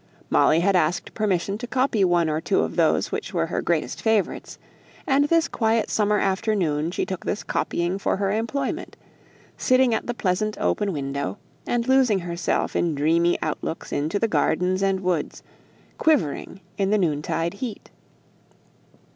Molly had asked permission to copy one or two of those which were her greatest favourites; and this quiet summer afternoon she took this copying for her employment, sitting at the pleasant open window, and losing herself in dreamy out looks into the gardens and woods, quivering in the noon tide heat.